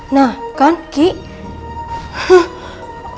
nah kan kiki